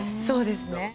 そうですね。